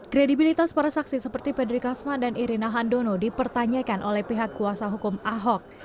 kredibilitas para saksi seperti pedri kasman dan irina handono dipertanyakan oleh pihak kuasa hukum ahok